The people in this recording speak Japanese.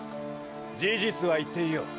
事実は言っていいよ。